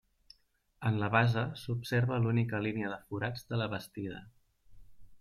En la base s'observa l'única línia de forats de la bastida.